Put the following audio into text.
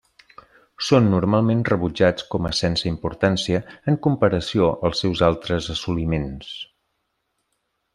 Són normalment rebutjats com a sense importància en comparació als seus altres assoliments.